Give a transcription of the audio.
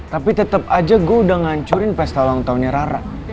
tapi tetap aja gue udah ngancurin pesta ulang tahunnya rara